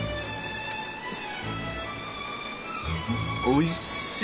おいしい！